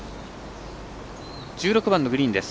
１６番のグリーンです。